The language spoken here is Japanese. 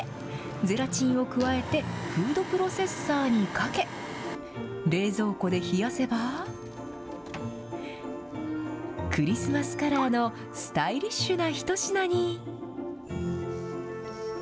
ゼラチンを加えて、フードプロセッサーにかけ、冷蔵庫で冷やせば、クリスマスカラーのスタイリッシュな一品に。